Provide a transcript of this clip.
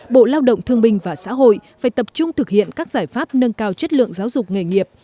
bộ lao động thương binh và xã hội phải tập trung thực hiện các giải pháp nâng cao chất lượng giáo dục nghề nghiệp